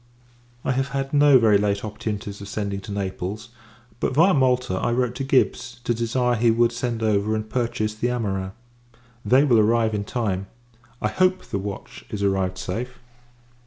I have had no very late opportunities of sending to Naples: but, viâ Malta, I wrote to Gibbs, to desire he would send over and purchase the amorins. They will arrive in time. I hope, the watch is arrived safe.